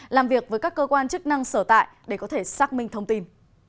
làm việc với các cơ quan chức năng sở tại để có thể xác minh thông tin